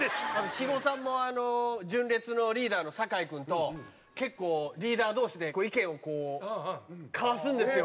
肥後さんもあの純烈のリーダーの酒井君と結構リーダー同士で意見を交わすんですよ。